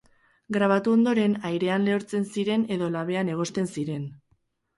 Grabatu ondoren airean lehortzen ziren edo labean egosten ziren.